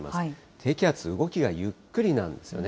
低気圧、動きがゆっくりなんですよね。